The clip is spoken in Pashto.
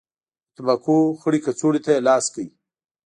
د تنباکو خړې کڅوړې ته يې لاس کړ.